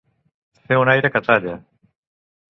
Fer un aire que talla.